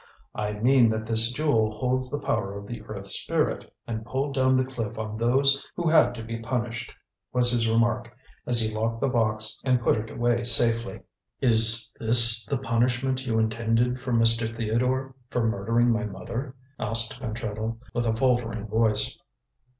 "I mean that this jewel holds the power of the Earth Spirit, and pulled down the cliff on those who had to be punished," was his remark, as he locked the box and put it away safely. "Is this the punishment you intended for Mr. Theodore for murdering my mother?" asked Pentreddle, with a faltering voice.